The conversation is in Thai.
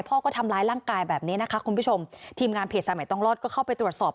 พ่อก็ทำร้ายร่างกายแบบนี้นะคะคุณผู้ชมทีมงานเพจสายใหม่ต้องรอดก็เข้าไปตรวจสอบ